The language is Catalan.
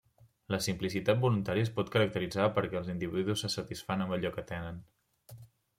La simplicitat voluntària es pot caracteritzar perquè els individus se satisfan amb allò que tenen.